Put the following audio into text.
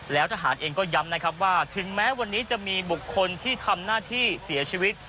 แล้วทหารเองก็ย้ำนะครับว่าถึงแม้วันนี้จะมีบุคคลที่ทำหน้าที่เสียชีวิต